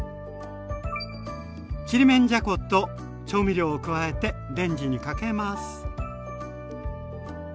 ちりめんじゃこと調味料を加えてレンジにかけます。